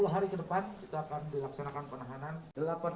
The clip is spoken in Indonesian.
dua puluh hari ke depan kita akan dilaksanakan penahanan